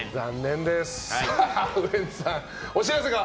ウエンツさん、お知らせが。